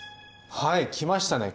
はい来ましたね